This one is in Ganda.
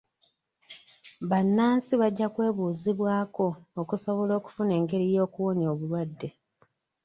Bannansi bajja kwebuuzibwako okusobola okufuna engeri y'okuwonya obulwadde.